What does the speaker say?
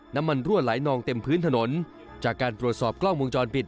น้ำมันรั่วไหลนองเต็มพื้นถนนจากการปรวจสอบกล้องมุมจรปิด